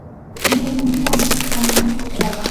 তুমি যখন ইচ্ছা আমার সাথে কম্প্রোমাইজ করতে পারবা।